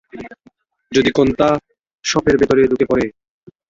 যদি কোনটা শপের ভেতরে ঢুকে পরে!